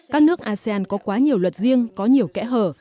các nước asean có quá nhiều luật riêng có nhiều kẽ hở